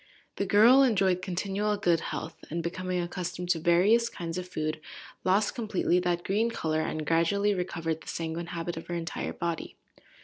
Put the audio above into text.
The girl enjoyed continual good health, and, becoming accustomed to various kinds of food, lost completely that green colour, and gradually recovered the sanguine habit of her entire body.